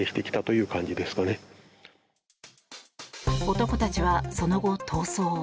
男たちはその後、逃走。